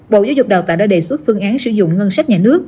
bộ giáo dục đào tạo đã đề xuất phương án sử dụng ngân sách nhà nước